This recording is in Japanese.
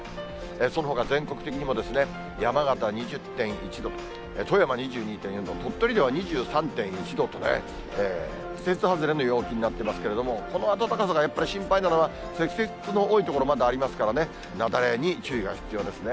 そのほか、全国的にも山形２０．１度、富山２２．４度、鳥取では２３．１度とね、季節外れの陽気になっていますけれども、この暖かさがやっぱり心配なのは、積雪の多い所まだありますからね、雪崩に注意が必要ですね。